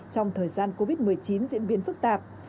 trong thời gian covid một mươi chín diễn biến phức tạp